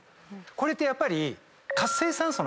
これってやっぱり。